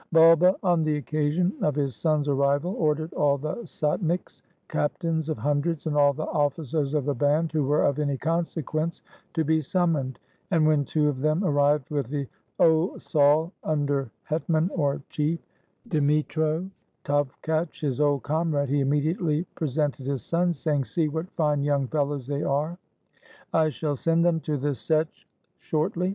Bulba, on the occasion of his sons' arrival, ordered all the sotniks [captains of hundreds], and all the officers of the band who were of any consequence, to be summoned; and when two of them arrived with the Osaul [under hetman, or chief] Dmitro Tovkatch, his old comrade, he immediately presented his sons, saying, "See what fine young fellows they are: I shall send them to the Setch shortly."